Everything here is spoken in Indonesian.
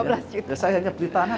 itu saya hanya beli tanah